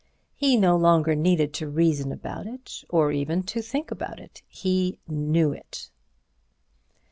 He no longer needed to reason about it, or even to think about it. He knew it.